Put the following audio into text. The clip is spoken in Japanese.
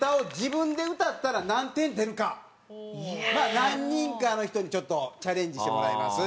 何人かの人にちょっとチャレンジしてもらいます。